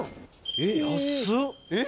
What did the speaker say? えっ安っ！